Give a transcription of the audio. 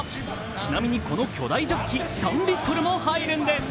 ちなみにこの巨大ジョッキ３リットルも入るんです。